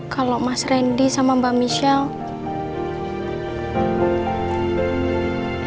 kalau mas randy sama mbak michelle